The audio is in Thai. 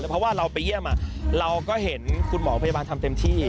เพราะว่าเราไปเยี่ยมเราก็เห็นคุณหมอพยาบาลทำเต็มที่